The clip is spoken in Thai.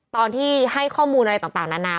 ตอนที่ให้ข้อมูลอะไรต่างนานา